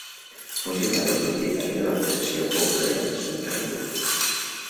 Fou germà del propietari de la possessió poblera de Son Ferragut.